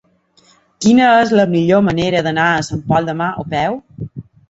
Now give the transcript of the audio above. Quina és la millor manera d'anar a Sant Pol de Mar a peu?